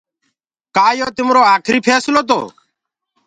ڪآ يو تمرو آکري ڦيسلو تو۔